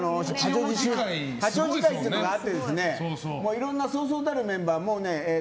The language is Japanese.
八王子会というのがあっていろんなそうそうたるメンバーが。